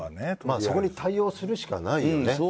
そこに対応するしかないよね。